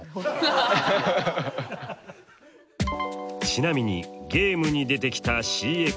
ちなみにゲームに出てきたＣｘＯ。